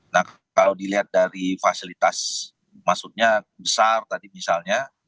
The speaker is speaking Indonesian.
nah kalau dilihat dari fasilitas masuknya besar tadi misalnya